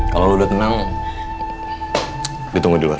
kalau lu udah tenang ditunggu di luar